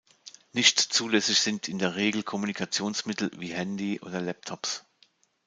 Nicht zulässig sind in der Regel Kommunikationsmittel wie Handy oder Laptops.